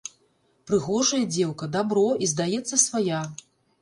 Прыгожая дзеўка, дабро, і, здаецца, свая.